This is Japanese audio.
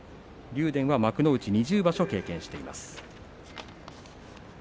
竜電も幕内の２４場所経験しています。